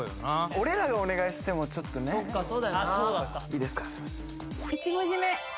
俺らがお願いしてもちょっとねいいですかすいません